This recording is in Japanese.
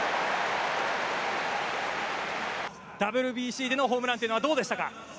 ＷＢＣでのホームランというのはどうでしたか？